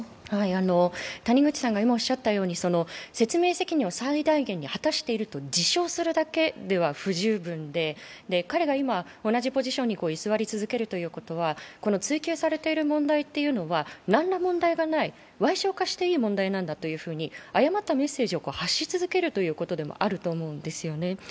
説明責任を最大限に果たしていると自称するだけでは不十分で、彼が今同じポジションに居座り続けるということは、追及されている問題というのは何ら問題がない、矮小化していい問題なんだと誤ったメッセージを発し続けることでもあると思うんですよね。